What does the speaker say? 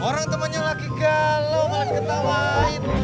orang temennya lagi galau malah ketawain